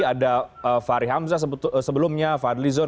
ada fahri hamzah sebelumnya fahri lizon